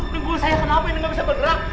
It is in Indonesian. tunggu saya kenapa ini gak bisa bergerak